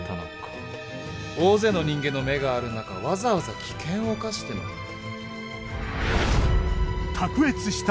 大勢の人間の目がある中わざわざ危険を冒してまで？